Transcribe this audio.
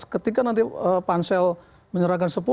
ketika nanti pansel menyerahkan sepuluh